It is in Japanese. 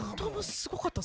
すごかった。